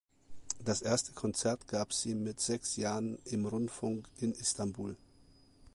Das erste Konzert gab sie mit sechs Jahren im Rundfunk in Istanbul.